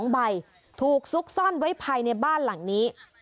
๒ใบถูกซุกซ่อนไว้ภายในบ้านหลังนี้